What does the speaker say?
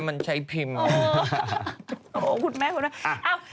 มันใช้พิมพ์